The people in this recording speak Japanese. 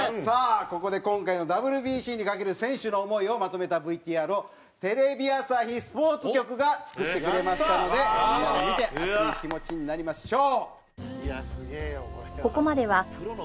ここで今回のＷＢＣにかける選手の思いをまとめたＶＴＲをテレビ朝日スポーツ局が作ってくれましたのでみんなで見て熱い気持ちになりましょう！